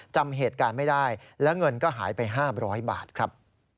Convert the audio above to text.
จำเหตุการณ์ไม่ได้และเงินก็หายไป๕๐๐บาทครับ